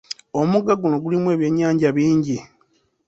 Omugga guno gulimu ebyennyanja bingi.